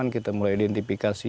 kita mulai identifikasi